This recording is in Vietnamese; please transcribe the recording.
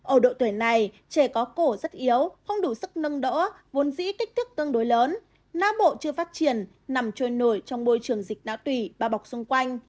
ở độ tuổi này trẻ có cổ rất yếu không đủ sức nâng đỗ vốn dĩ kích thước tương đối lớn na bộ chưa phát triển nằm trôi nổi trong môi trường dịch não tùy ba bọc xung quanh